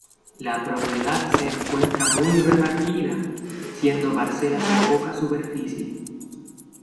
La propiedad se encuentra muy repartida, siendo parcelas de poca superficie.